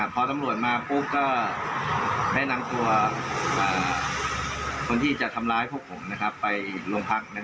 พอตำรวจมาปุ๊บก็ได้นำตัวคนที่จะทำร้ายพวกผมไปโรงพัก